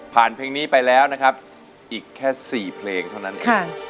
เพลงนี้ไปแล้วนะครับอีกแค่๔เพลงเท่านั้นเอง